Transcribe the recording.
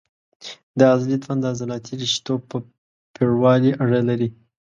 د عضلې توان د عضلاتي رشتو په پېړوالي اړه لري.